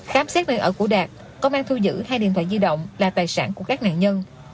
khám xét nơi ở của đạt công an thu giữ hai điện thoại di động là tài sản của các nạn nhân